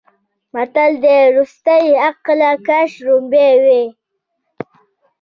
متل دی: ورستیه عقله کاش وړومبی وی.